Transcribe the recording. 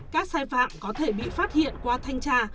các sai phạm có thể bị phát hiện qua thanh tra